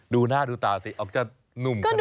ดูหน้าดูตาสิออกจะหนุ่มขนาดนี้